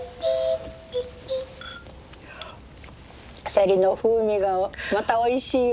セリの風味がまたおいしいわ！